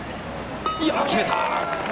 決めた！